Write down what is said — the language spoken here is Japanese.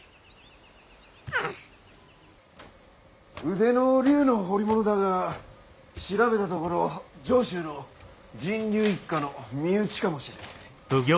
腕の竜の彫り物だが調べたところ上州の神龍一家の身内かもしれねえ。